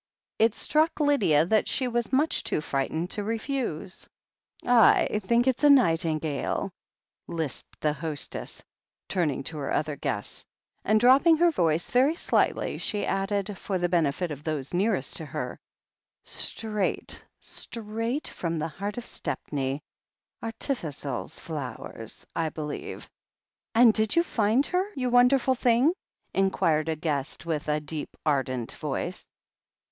It struck Lydia that she was much too frightened to refuse. "/ think it's a nightingale," lisped the hostess, turn ing to her other guests; and dropping her voice very slightly she added, for the benefit of those nearest to her: "Straight, straight from the heart of Stepney. Arti fis'al flowers, I believe." "And did you find her, you wonderful thing?" in quired a guest with a deep, ardent voice.